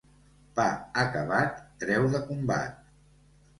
Pa acabat treu de combat.